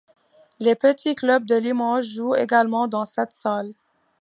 Les petits clubs de Limoges jouent également dans cette salle.